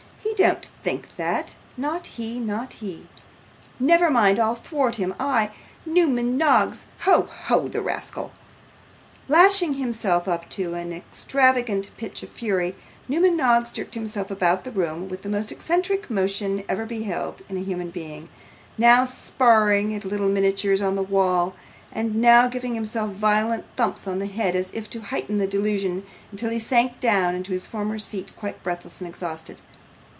he don't think that. Not he, not he. Never mind, I'll thwart him I, Newman Noggs. Ho, ho, the rascal!' Lashing himself up to an extravagant pitch of fury, Newman Noggs jerked himself about the room with the most eccentric motion ever beheld in a human being: now sparring at the little miniatures on the wall, and now giving himself violent thumps on the head, as if to heighten the delusion, until he sank down in his former seat quite breathless and exhausted.